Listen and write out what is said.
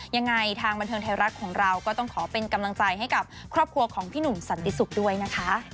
ยังไงทางบันเทิงไทยรัฐของเราก็ต้องขอเป็นกำลังใจให้กับครอบครัวของพี่หนุ่มสันติสุขด้วยนะคะ